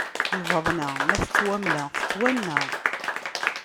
Lbaḍna ma tettwamla, tettwanna.